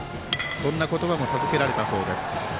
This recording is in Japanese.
そんな言葉も授けられたそうです。